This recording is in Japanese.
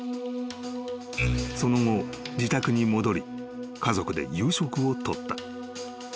［その後自宅に戻り家族で夕食を取った］